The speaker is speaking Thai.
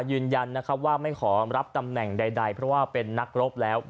ยืนยันนะครับว่าไม่ขอรับตำแหน่งใดเพราะว่าเป็นนักรบแล้ว